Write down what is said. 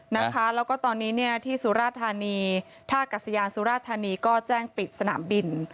แล้วก็ตอนนี้เนี่ยที่สุราธานีท่ากัศยานสุราธานีก็แจ้งปิดสนามบิน